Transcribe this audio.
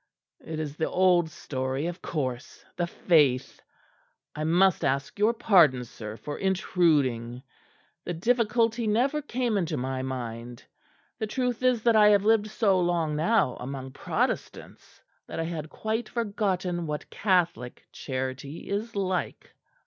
"It is the old story of course, the Faith! I must ask your pardon, sir, for intruding. The difficulty never came into my mind. The truth is that I have lived so long now among Protestants that I had quite forgotten what Catholic charity is like!"